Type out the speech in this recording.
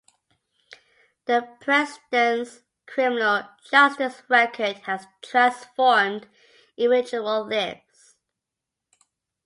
The President’s criminal justice record has transformed individual lives.